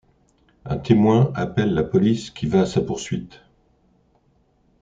Un témoin appelle la police qui va à sa poursuite.